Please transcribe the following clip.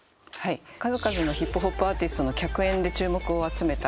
数々のヒップホップアーティストの客演で注目を集めた。